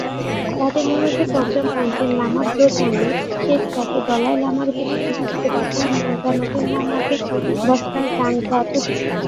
তাদের অনুরোধে পঞ্চম পাঞ্চেন লামা ব্লো-ব্জাং-য়ে-শেস তাকে দলাই লামা রূপে স্বীকৃতি দিতে বাধ্য হন এবং তার নতুন নাম রাখেন ব্স্কাল-ব্জাং-র্গ্যা-ম্ত্শো।